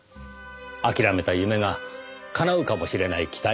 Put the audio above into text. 諦めた夢が叶うかもしれない期待も生まれました。